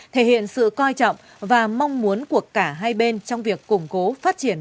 thể hiện sự coi trọng và mong muốn của cả hai bên trong việc củng cố phát triển